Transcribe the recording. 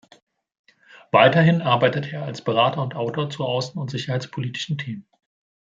Weiterhin arbeitet er als Berater und Autor zu außen- und sicherheitspolitischen Themen.